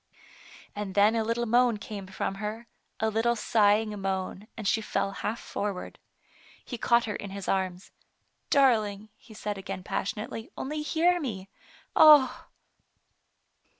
And then a little moan came from her, a little sighing moan, and she fell half forward. He caught her in his arms. " Darling, he said again passionately, " only hear me. Ah